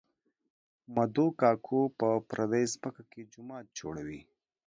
مدو کاکو په پردۍ ځمکه کې جومات جوړوي